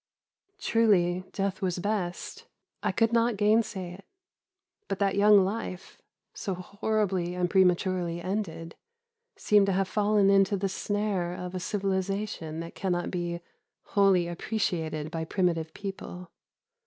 "Truly death was best, I could not gainsay it; but that young life, so horribly and prematurely ended, seemed to have fallen into the snare of a civilisation that cannot be wholly appreciated by primitive people.